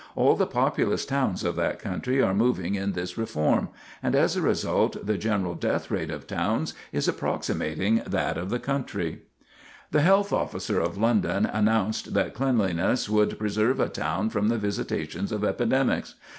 All the populous towns of that country are moving in this reform, and, as a result, the general death rate of towns is approximating that of the country. [Sidenote: Cleanliness Preserves from Epidemics] The Health Officer of London announced that cleanliness would preserve a town from the visitations of epidemics.